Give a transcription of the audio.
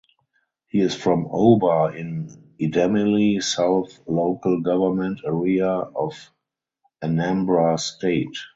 He is from Oba in Idemili South Local Government Area of Anambra State.